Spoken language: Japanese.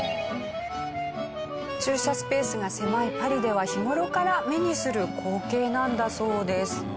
駐車スペースが狭いパリでは日頃から目にする光景なんだそうです。